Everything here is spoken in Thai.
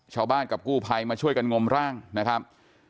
ชาวบ้านกับกู้ภัยมาช่วยกันงมร่างนะครับ